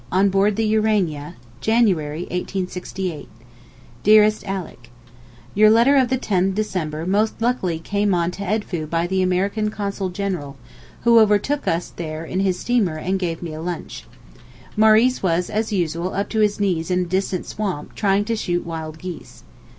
ON BOARD THE URANIA, January, 1868. DEAREST ALICK, Your letter of the 10 December most luckily came on to Edfoo by the American Consul General, who overtook us there in his steamer and gave me a lunch. Maurice was as usual up to his knees in a distant swamp trying to shoot wild geese.